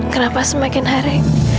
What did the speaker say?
kenapa semakin hari